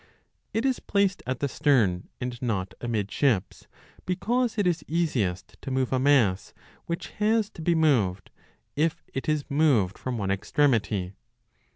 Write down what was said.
It is placed at the stern 5 and not amidships, because it is easiest to move a mass which has to be moved, if it is moved from one extremity.